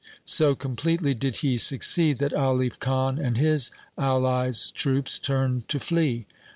So completely did he succeed that Alif Khan and his allies' troops turned to flee.